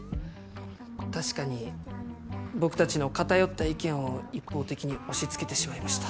確かに僕たちの偏った意見を一方的に押しつけてしまいました。